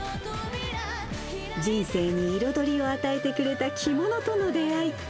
人生に彩りを与えてくれた着物との出会い。